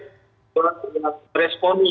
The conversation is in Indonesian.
yang telah menanggung respon ini